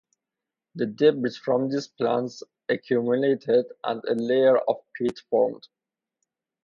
The debris from these plants accumulated and a layer of peat formed.